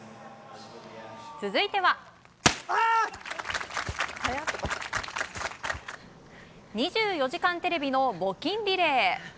続いては「２４時間テレビ」の募金リレー。